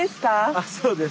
あっそうです。